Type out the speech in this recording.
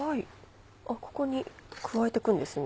ここに加えていくんですね。